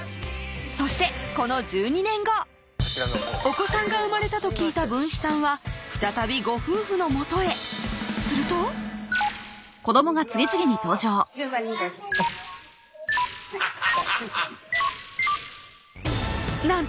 そしてこの１２年後お子さんが生まれたと聞いた文枝さんは再びご夫婦のもとへするとこんにちはこんにちは